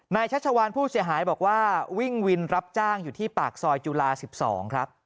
ชัชวานผู้เสียหายบอกว่าวิ่งวินรับจ้างอยู่ที่ปากซอยจุฬา๑๒ครับ